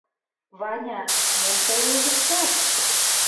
Ваня, мом тый ойлыштат?